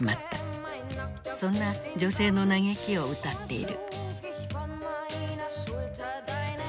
そんな女性の嘆きを歌っている。